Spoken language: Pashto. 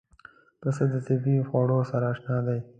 پسه د طبیعي خوړو سره اشنا دی.